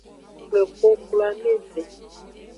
Xwle koklo ameve.